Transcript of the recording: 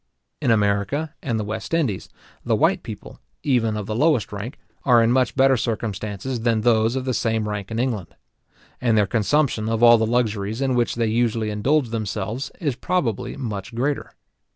In America and the West Indies, the white people, even of the lowest rank, are in much better circumstances than those of the same rank in England; and their consumption of all the luxuries in which they usually indulge themselves, is probably much greater.